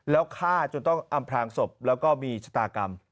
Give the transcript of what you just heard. แล้วฆ่าจนต้องอำพลางศพแล้วก็มีชะตากรรม